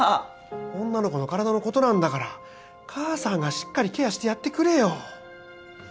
女の子の体の事なんだから母さんがしっかりケアしてやってくれよ！